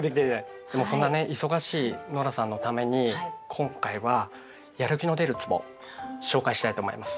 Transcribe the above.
そんなね忙しいノラさんのために今回はやる気の出るつぼ紹介したいと思います。